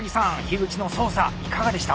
口の操作いかがでした？